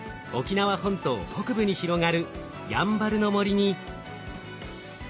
鹿児島県のに広がるやんばるの森に。